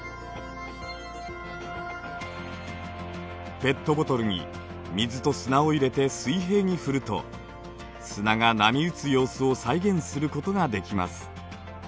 ペットボトルに水と砂を入れて水平に振ると砂が波打つ様子を再現することができます。